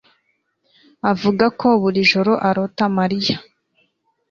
avuga ko buri joro arota Mariya.